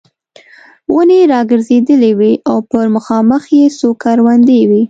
ونې را ګرځېدلې وې او پر مخامخ یې څو کروندې وې.